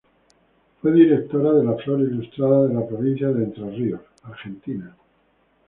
Fue directora de la Flora Ilustrada de la Provincia de Entre Ríos, Argentina.